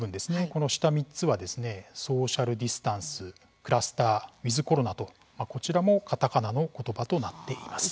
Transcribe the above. この下３つはソーシャルディスタンスクラスター、ウィズコロナとこちらもカタカナの言葉となっています。